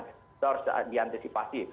itu harus diantisipasi